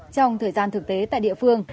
trong thời gian thực tế tại địa phương